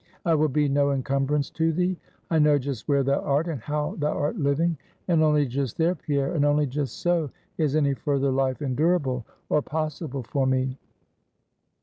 I will be no encumbrance to thee. I know just where thou art, and how thou art living; and only just there, Pierre, and only just so, is any further life endurable, or possible for me.